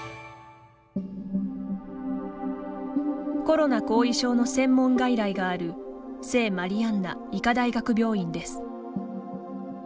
コロナ後遺症の専門外来がある聖マリアンナ医科大学病院です。